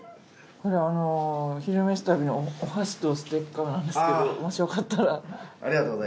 これあの「昼めし旅」のお箸とステッカーなんですけどもしよかったらどうぞ。